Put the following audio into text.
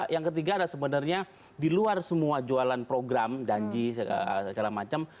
yang ketiga adalah sebenarnya di luar semua jualan program janji segala macam